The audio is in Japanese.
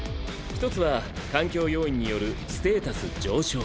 一つは環境要因によるステータス上昇。